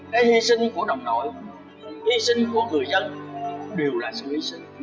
hay hy sinh của đồng đội hy sinh của người dân đều là sự hy sinh